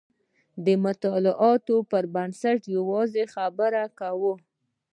د مطالعاتو پر بنسټ یوازې یوه خبره کوو.